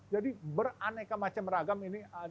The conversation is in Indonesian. jadi beraneka macam ragam ini